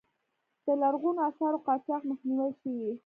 د لرغونو آثارو قاچاق مخنیوی شوی؟